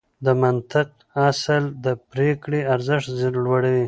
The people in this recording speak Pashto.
د منطقيت اصل د پرېکړې ارزښت لوړوي.